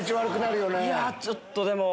いやちょっとでも。